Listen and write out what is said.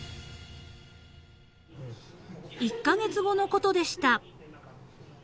［１カ月後のことでした］